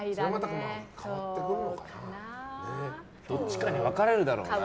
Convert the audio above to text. どっちかに分かれるだろうな。